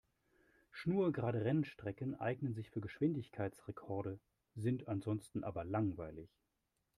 Schnurgerade Rennstrecken eignen sich für Geschwindigkeitsrekorde, sind ansonsten aber langweilig.